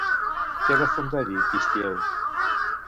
Què va fundar-hi Histieu?